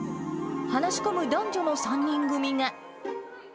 話し込む男女の３人組が。